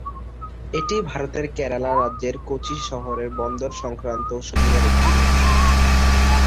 এটি ভারতের কেরালা রাজ্যের কোচি শহরের বন্দর-সংক্রান্ত সুবিধার একটি অংশ।